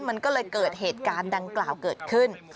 มันก็เลยเกิดเหตุการณ์ดังกล่าวเกิดขึ้น